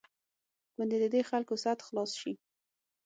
کوندي د دې خلکو سد خلاص شي.